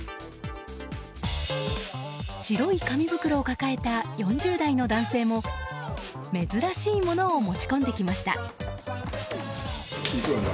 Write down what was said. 白い紙袋を抱えた４０代の男性も珍しいものを持ち込んできました。